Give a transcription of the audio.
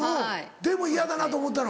でも嫌だなと思ったの？